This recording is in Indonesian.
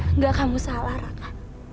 enggak kamu salah raka